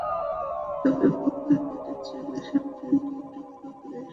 তবে উপকার পেতে চাইলে সপ্তাহে দুই টুকরো করে এসব মাছ খেতে হবে।